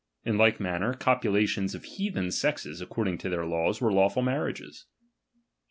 In like manner, copulations of heathen sexes, according to their laws, were lawful mar riages, 11.